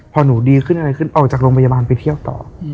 พอหนูดีขึ้นอะไรขึ้นออกจากโรงพยาบาลไปเที่ยวต่อ